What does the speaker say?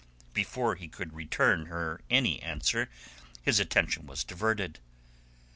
Before he could return her any answer his attention was diverted.